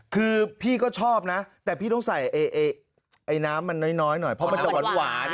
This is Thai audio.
คือพี่ก็ชอบนะแต่พี่ต้องใส่น้ำมันน้อยหน่อยเพราะมันจะหวาน